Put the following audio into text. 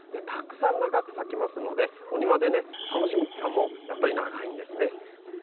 たくさん長く咲きますのでお庭でね楽しむ期間もやっぱり長いんですね。